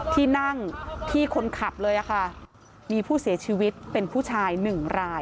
ที่นั่งที่คนขับเลยค่ะมีผู้เสียชีวิตเป็นผู้ชายหนึ่งราย